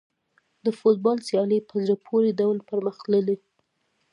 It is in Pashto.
د فوټبال سیالۍ په زړه پورې ډول پرمخ تللې.